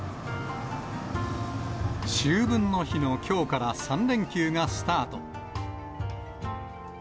秋分の日のきょうから３連休がスタート。